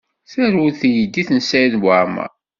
Terwel teydit n Saɛid Waɛmaṛ.